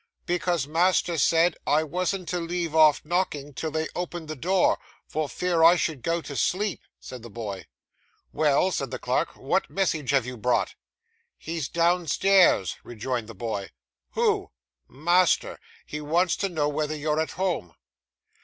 'Because master said, I wasn't to leave off knocking till they opened the door, for fear I should go to sleep,' said the boy. 'Well,' said the clerk, 'what message have you brought?' 'He's downstairs,' rejoined the boy. 'Who?' 'Master. He wants to know whether you're at home.